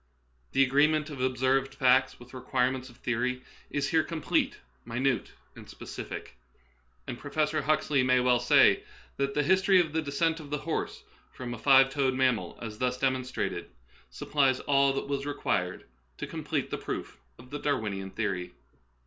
The agreement of observed facts with the re quirements of theory is here complete, minute, and specific ; and Professor Huxley may well say that the history of the descent of the horse from a five toed mammal, as thus demonstrated, sup 32 Dai'winism and Other Essays, plies all that was required to complete the proof of the Darwinian theory.